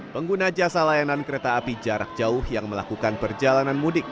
pengguna jasa layanan kereta api jarak jauh yang melakukan perjalanan mudik